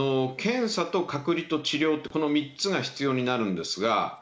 検査と隔離と治療って、この３つが必要になるんですが。